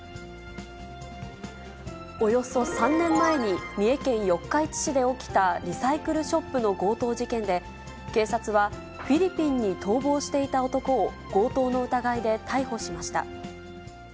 およそ３年前に、三重県四日市市で起きたリサイクルショップの強盗事件で、警察は、フィリピンに逃亡していた男を、強盗の疑いで逮捕しました。